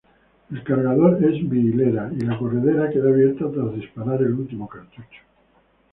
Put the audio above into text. El cargador es bi-hilera y la corredera queda abierta tras disparar el último cartucho.